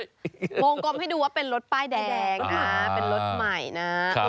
วงกลมให้ดูว่าเป็นรถป้ายแดงนะเป็นรถใหม่นะ